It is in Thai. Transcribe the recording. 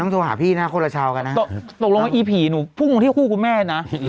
ตกลงอีผีหนูพุ่งอยู่ที่คู่คุณแม่นะ